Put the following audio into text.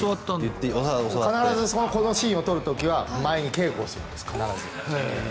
必ずこのシーンを撮る時は前に稽古をするんです。